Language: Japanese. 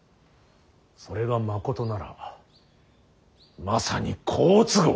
それがまことならばまさに好都合。